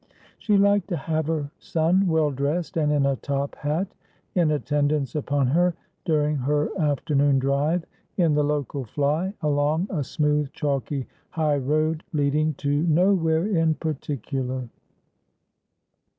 She liked to have her son well dressed and in a top hat, in attendance upon her during her afternoon drive in the local fly, along a smooth chalky high road leading to nowhere in particular.